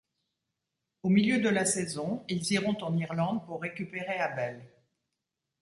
Au milieu de la saison, ils iront en Irlande pour récupérer Abel.